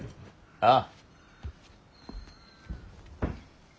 ああ。